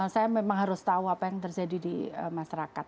saya memang harus tahu apa yang terjadi di masyarakat